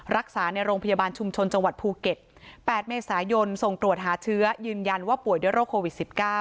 รักษาในโรงพยาบาลชุมชนจังหวัดภูเก็ต๘เมษายนส่งตรวจหาเชื้อยืนยันว่าป่วยด้วยโรคโควิด๑๙